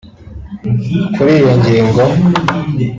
Kuri iyo ngingo